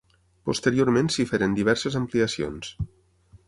Posteriorment s'hi feren diverses ampliacions.